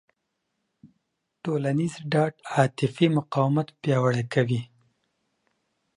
ټولنیزه ډاډ عاطفي مقاومت پیاوړی کوي.